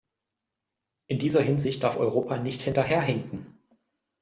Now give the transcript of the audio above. In dieser Hinsicht darf Europa nicht hinterherhinken.